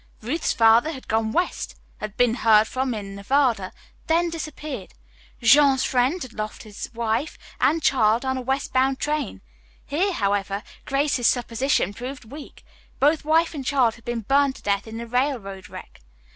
Ruth's father had gone west, had been heard from in Nevada, then disappeared. Jean's friend had lost his wife and child on a westbound train. Here, however, Grace's supposition proved weak. Both wife and child had been burned to death in the railroad wreck.